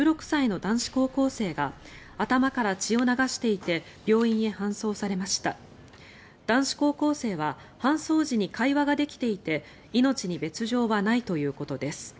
男子高校生は搬送時に会話ができていて命に別条はないということです。